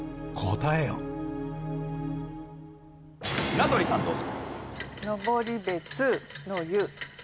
名取さんどうぞ。